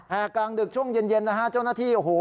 กลางดึกช่วงเย็นเย็นนะฮะเจ้าหน้าที่โอ้โห